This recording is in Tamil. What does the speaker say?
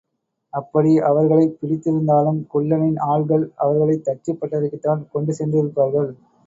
அப்படி அவர்களைப் பிடித்திருந்தாலும் குள்ளனின் ஆள்கள் அவர்களைத் தச்சுப் பட்டறைக்குத்தான் கொண்டு சென்றிருப்பார்கள்.